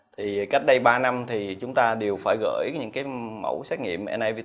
thì cách đây ba năm thì chúng ta đều phải gửi những cái mẫu xét nghiệm